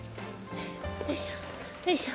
よいしょよいしょ